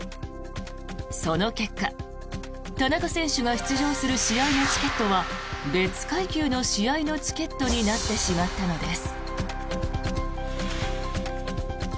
その結果、田中選手が出場する試合のチケットは別階級の試合のチケットになってしまったのです。